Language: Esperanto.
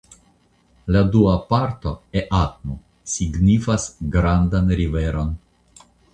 La dua parto "eatnu" signifas '(grandan) riveron'.